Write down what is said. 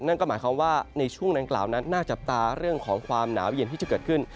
นั่นก็หมายความว่าในช่วงดังกล่าวนั้นน่าจับตาเรื่องของความหนาวเย็นที่จะเกิดขึ้น